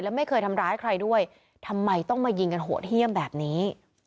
ไม่เคยทำร้ายใครด้วยทำไมต้องมายิงกันโหดเยี่ยมแบบนี้